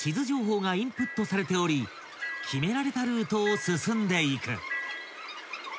情報がインプットされており決められたルートを進んでいく］